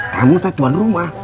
kamu tetuan rumah